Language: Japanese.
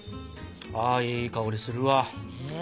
あいい香りするわ。